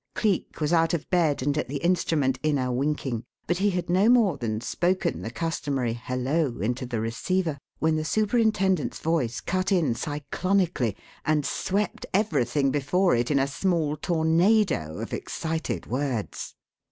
Cleek was out of bed and at the instrument in a winking; but he had no more than spoken the customary "Hello!" into the receiver, when the superintendent's voice cut in cyclonically and swept everything before it in a small tornado of excited words.